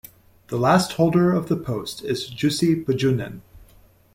The last holder of the post is Jussi Pajunen.